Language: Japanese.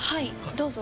どうぞ。